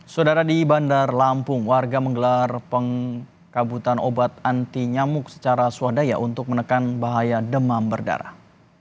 saudara di bandar lampung warga menggelar pengkabutan obat anti nyamuk secara swadaya untuk menekan bahaya demam berdarah